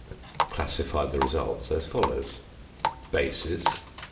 Classify the results as follows: Bases.